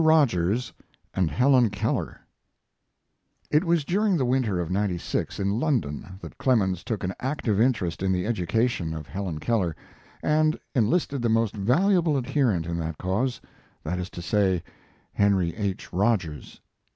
ROGERS AND HELEN KELLER It was during the winter of '96, in London, that Clemens took an active interest in the education of Helen Keller and enlisted the most valuable adherent in that cause, that is to say, Henry H. Rogers.